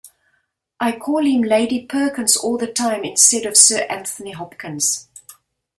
I'd call him Lady Perkins all the time instead of Sir Anthony Hopkins.